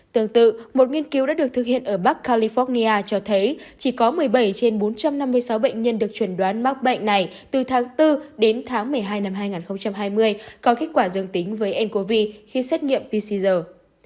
tương tự một nghiên cứu đã được thực hiện ở bắc california cho thấy chỉ có một mươi bảy trên bốn trăm năm mươi sáu bệnh nhân được chuẩn đoán mắc bệnh này từ tháng bốn đến tháng một mươi hai năm hai nghìn hai mươi có kết quả dương tính với ncov khi xét nghiệm pciser